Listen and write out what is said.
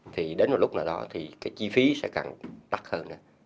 thì đến một lúc nào đó thì cái chi phí sẽ càng đắt hơn